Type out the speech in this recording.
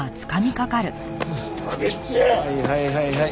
はいはいはいはい。